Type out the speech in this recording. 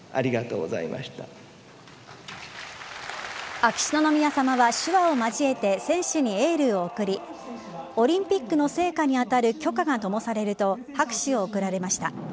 秋篠宮さまは手話を交えて選手にエールを送りオリンピックの聖火に当たる炬火が灯されると拍手を送られました。